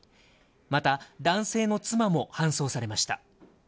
また、男性の妻も搬送されました。